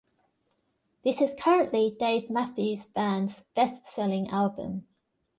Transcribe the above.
This is currently Dave Matthews Band's best-selling album.